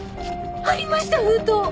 ありました封筒！